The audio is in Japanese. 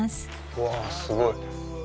うわすごい。